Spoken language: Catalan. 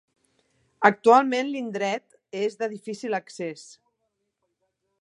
Actualment l'indret és de difícil accés.